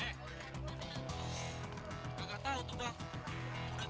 kakak tau tuh kak